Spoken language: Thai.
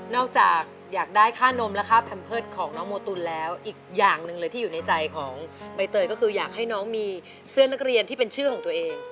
จากอยากได้ค่านมและค่าแพมเพิร์ตของน้องโมตุลแล้วอีกอย่างหนึ่งเลยที่อยู่ในใจของใบเตยก็คืออยากให้น้องมีเสื้อนักเรียนที่เป็นชื่อของตัวเอง